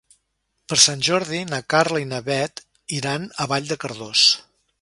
Per Sant Jordi na Carla i na Bet iran a Vall de Cardós.